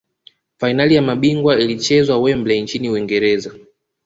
fainali ya mabingwa ilichezwa wembley nchini uingereza